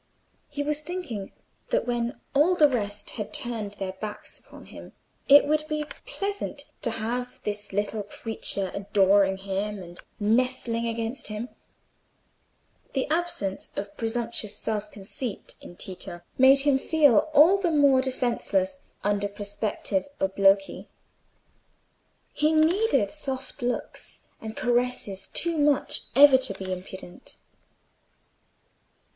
He was thinking that when all the rest had turned their backs upon him, it would be pleasant to have this little creature adoring him and nestling against him. The absence of presumptuous self conceit in Tito made him feel all the more defenceless under prospective obloquy: he needed soft looks and caresses too much ever to be impudent.